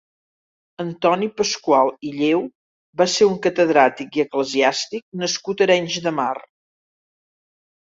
Antoni Pascual i Lleu va ser un catedràtic i eclesiàstic nascut a Arenys de Mar.